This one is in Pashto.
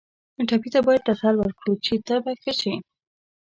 ټپي ته باید تسل ورکړو چې ته به ښه شې.